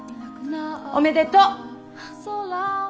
おめでとう。